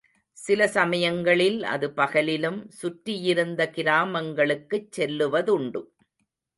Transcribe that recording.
சில சமயங்களில் அது பகலிலும், சுற்றியிருந்த கிராமங்களுக்குச் செல்லுவதுண்டு.